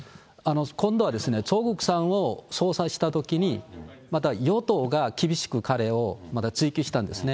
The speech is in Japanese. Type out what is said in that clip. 今度はチョ・グクさんを捜査したときに、また与党が厳しく彼を追及したんですね。